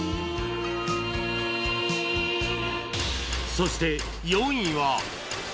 そして４位は